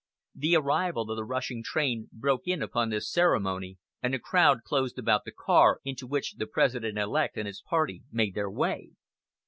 The arrival of the rushing train broke in upon this ceremony, and the crowd closed about the car into which the President elect and his party made their way.